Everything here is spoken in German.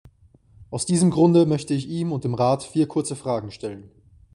Aus diesem Grunde möchte ich ihm und dem Rat vier kurze Fragen stellen.